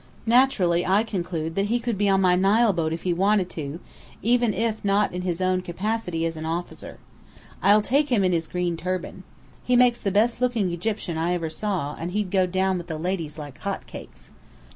Naturally I conclude that he could be on my Nile boat if he wanted to, even if not in his own capacity as an officer. I'll take him in his green turban. He makes the best looking Egyptian I ever saw, and he'd go down with the ladies like hot cakes."